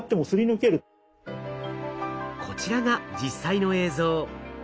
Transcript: こちらが実際の映像。